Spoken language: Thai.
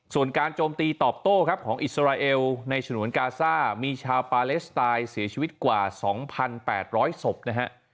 ส่วนการโจมตีตอบโต้ครับของอิสราเอลในฉนวนกาซ่ามีชาวปาเลสไตน์เสียชีวิตกว่า๒๘๐๐ศพนะฮะ